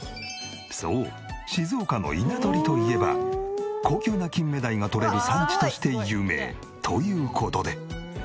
そう静岡の稲取といえば高級な金目鯛がとれる産地として有名。という事で。